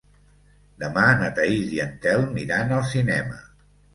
Demà na Thaís i en Telm iran al cinema.